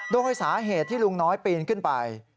โดยสาเหตุที่ลุงน้อยปีนขึ้นไป